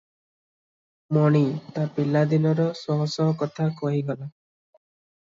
ମଣି ତା ପିଲାଦିନର ଶହଶହ କଥା କହିଗଲା ।